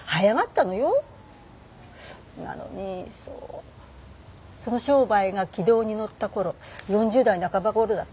なのにそうその商売が軌道に乗った頃４０代半ば頃だったかな？